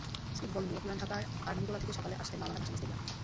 Stickball নিয়ে পুরান ঢাকার আরমানিটোলা থেকে সকালে আসতেন মওলানা ভাসানী স্টেডিয়ামে।